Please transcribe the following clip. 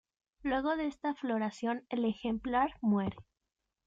Luego de esta floración el ejemplar muere.